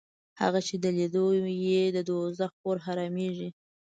هغه چې په لیدو یې د دوزخ اور حرامېږي